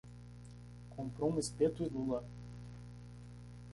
Comprou um espeto e lula